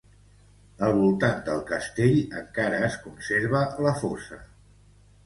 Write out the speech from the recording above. Al voltant del castell encara es conserva la fossa.